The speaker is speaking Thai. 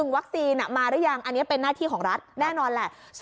วัคซีนมาหรือยังอันนี้เป็นหน้าที่ของรัฐแน่นอนแหละ